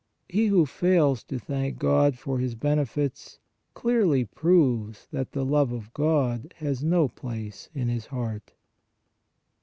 He who fails to thank God for His benefits clearly proves that the love of God has no place in his heart.